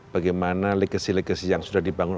bagaimana legasi legasi yang sudah dibangun